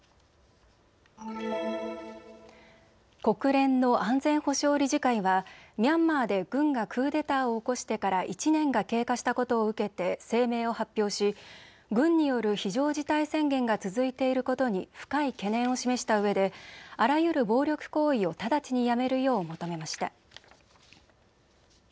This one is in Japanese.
国連の安全保障理事会はミャンマーで軍がクーデターを起こしてから１年が経過したことを受けて声明を発表し軍による非常事態宣言が続いていることに深い懸念を示したうえであらゆる暴力行為を直ちにやめるよう求めました。